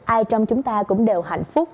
ai trong chúng ta cũng đều hạnh phúc